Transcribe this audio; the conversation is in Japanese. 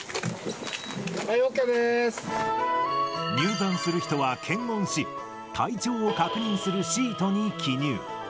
入山する人は検温し、体調を確認するシートに記入。